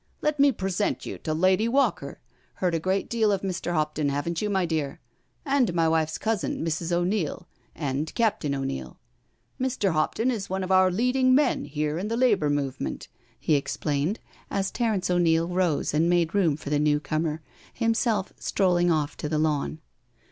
" Let me present you to Lady Walker— heard a great deal of Mr. Hopton, haven't you, my dear? And my wife's cousin, Mrs. O'Neil— and Captain O'Neil. Mr. Hopton is OQe of our leading men here in the Labour Move ment," he explained, as Terence O'Neil rose and made room for the new comer, himself strolling off to the lawn.